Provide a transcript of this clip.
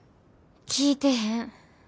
聞いてへん。